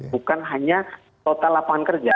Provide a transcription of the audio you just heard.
bukan hanya total lapangan kerja